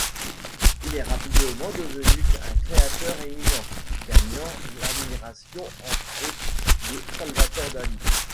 Il est rapidement devenu un créateur éminent, gagnant l'admiration entre autres de Salvador Dalí.